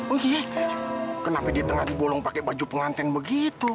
oh iya kenapa di tengah bolong pakai baju pengantin begitu